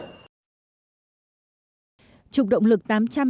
trục động lực tám trăm hai mươi bảy